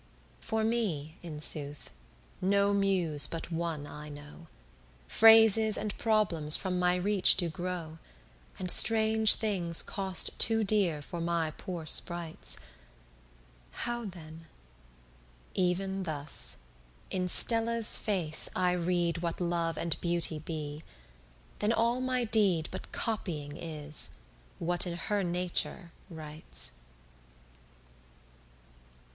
For me in sooth, no Muse but one I know: Phrases and problems from my reach do grow, And strange things cost too dear for my poor sprites. How then? Even thus: in Stella's face I read What love and beauty be, then all my deed But copying is, what in her Nature writes.